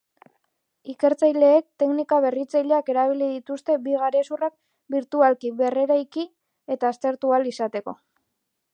Ikertzaileek teknika berritzaileak erabili dituzte bi garezurrak birtualki berreraiki eta aztertu ahal izateko.